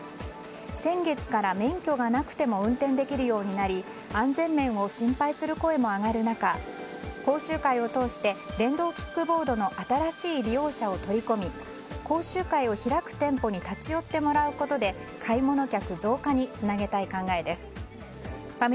先月から免許がなくても運転できるようになり安全面を心配する声も上がる中講習会を通して電動キックボードの新しい利用者を取り込み講習会を開く店舗に颯という名の爽快緑茶！